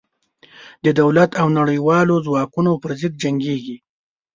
د دولت او نړېوالو ځواکونو پر ضد جنګېږي.